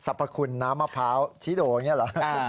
พคุณน้ำมะพร้าวชิโดอย่างนี้เหรอ